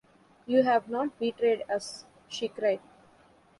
“You have not betrayed us?” she cried.